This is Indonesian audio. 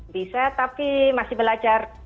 bisa tapi masih belajar